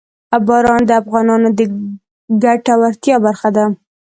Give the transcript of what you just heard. باران د افغانانو د ګټورتیا برخه ده.